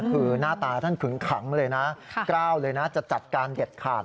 คือหน้าตาท่านขึงขังเลยนะกล้าวเลยนะจะจัดการเด็ดขาด